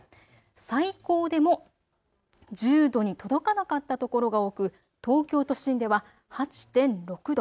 最高でも１０度に届かなかったところが多く東京都心では８．６度。